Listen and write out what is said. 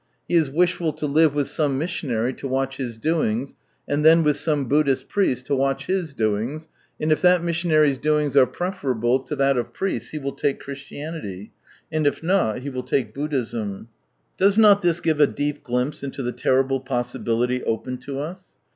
He is wishful to livt with some missionary, to watch his doings ; and then with some Buddhist priest, to watch his doings ; and if that missionary's doings are preferable to that . of firieits, ht will take Christianity, and if not he will take Buddhism." Does not •^((( It will be a Seed" 149 this give a deep glimpse into the terrible possibility open to us